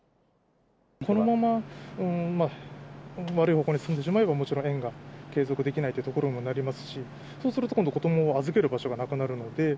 このまま悪い方向に進んでしまえば、もちろん園が継続できないということにもなりますし、そうすると、今度、子どもを預ける場所がなくなるので。